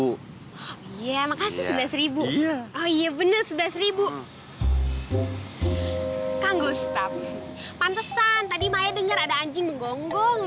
kak gustaf pantesan tadi maya denger ada anjing menggonggong